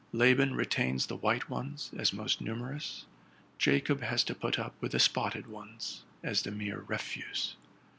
Laban retains the white ones, as most numerous: Jacob has to put up with the spotted ones, as the mere refuse.